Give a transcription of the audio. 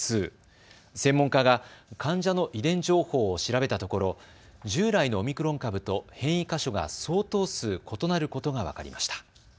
専門家が患者の遺伝情報を調べたところ従来のオミクロン株と変異箇所が相当数異なることが分かりました。